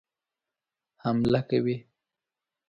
حمله کوي.